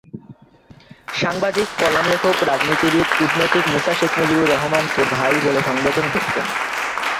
সাংবাদিক, কলাম লেখক, রাজনীতিবিদ, কূটনীতিক মূসা শেখ মুজিবুর রহমানকে "ভাই" বলে সম্বোধন করতেন।